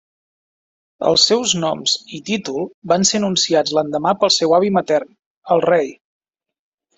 Els seus noms i títol van ser anunciats l'endemà pel seu avi matern, el Rei.